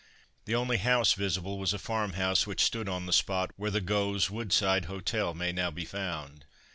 The only house visible was a farm house which stood on the spot where the (Gough's) Woodside Hotel may now be found.